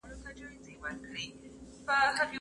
شکر د خوږې کچې زیاتوالی دی.